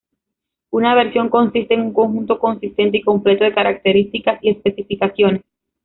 Una versión consiste en un conjunto consistente y completo de características y especificaciones.